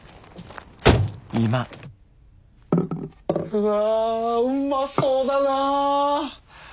うわうまそうだな！